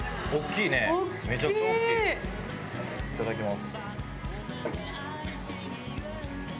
いただきます。